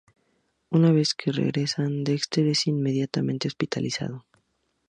Una vez que regresan, Dexter es inmediatamente hospitalizado.